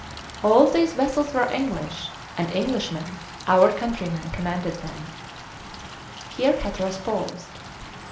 All these vessels were English, and Englishmen, our countrymen, commanded them." Here Hatteras paused.